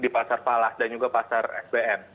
di pasar palas dan juga pasar sbn